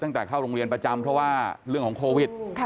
เข้าโรงเรียนประจำเพราะว่าเรื่องของโควิด